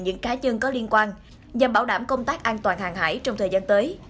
những cá nhân có liên quan nhằm bảo đảm công tác an toàn hàng hải trong thời gian tới